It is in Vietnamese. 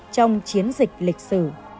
trong chiến dịch lịch sử